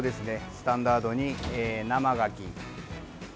スタンダードに生がき。